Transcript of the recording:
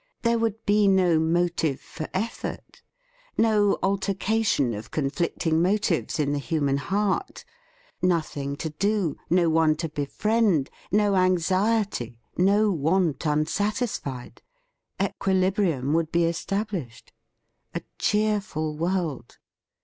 There would be no motive for effort, no alter cation of conflicting motives in the hu man heart ; nothing to do, no one to be friend, no anxiety, no want unsatisfied. Equilibrium would be established. A cheerful world!